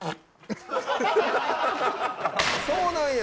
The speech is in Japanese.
そうなんや！